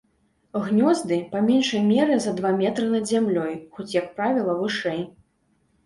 Гнёзды, па меншай меры за два метры над зямлёй, хоць, як правіла, вышэй.